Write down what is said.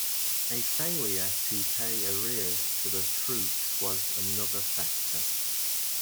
A failure to pay arrears to the troops was another factor.